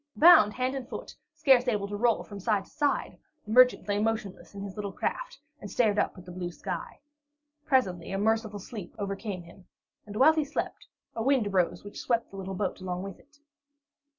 Bound hand and foot, scarce able to roll from side to side, the merchant lay motionless in his little craft and stared up at the blue sky. Presently a merciful sleep overcame him, and while he slept, a wind arose which swept the little boat along with it.